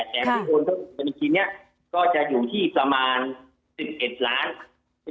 แต่ผิดโอนของบัญชีเนี่ยก็จะอยู่ที่ประมาณ๑๑ล้านเศษ